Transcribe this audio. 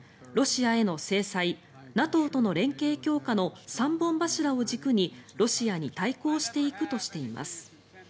ロシアへの制裁ＮＡＴＯとの連携強化の三本柱を軸にロシアに対抗していくとしています。